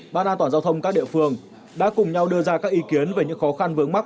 ban an toàn giao thông các địa phương đã cùng nhau đưa ra các ý kiến về những khó khăn vướng mắt